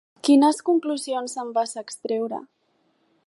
Quines conclusions en vas extreure?